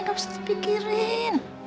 lu harus dipikirin